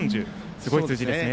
すごい数字ですね。